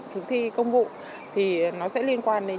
thực thi công vụ thì nó sẽ liên quan đến